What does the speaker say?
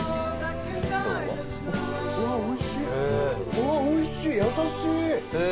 うわっおいしい優しい。